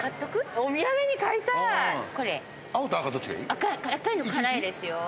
赤いの辛いですよ。